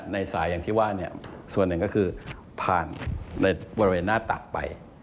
ในสายอย่างที่ว่าเนี่ยส่วนหนึ่งก็คือผ่านในบริเวณหน้าตักไป